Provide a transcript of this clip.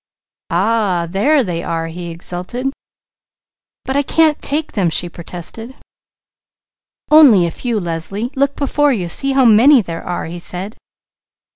"Ah! There they are!" he exulted. "But I can't take them!" she protested. "Only a few, Leslie. Look before you! See how many there are!" he said.